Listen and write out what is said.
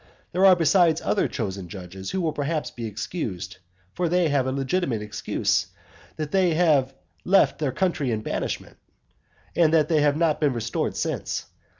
There are besides other chosen judges who will perhaps be excused. For they have a legitimate excuse, that they have left their country in banishment, and that they have not been restored since.